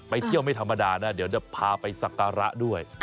เที่ยวไม่ธรรมดานะเดี๋ยวจะพาไปสักการะด้วย